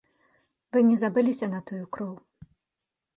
Вы не забыліся на тую кроў?